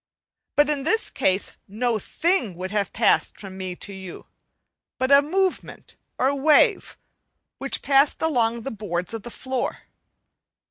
But in this case no thing would have passed from me to you but a movement or wave, which passed along the boards of the floor.